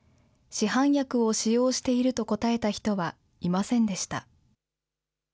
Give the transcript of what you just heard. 市販薬を使用していると答えた人は、いませんでした。